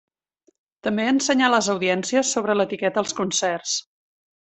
També ensenyà a les audiències sobre l'etiqueta als concerts.